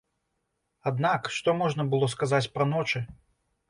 Аднак, што можна было сказаць пра ночы?